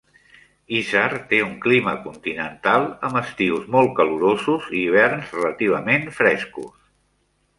Hisar té un clima continental, amb estius molt calorosos i hiverns relativament frescos.